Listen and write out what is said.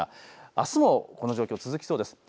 あすもこの状況続きそうです。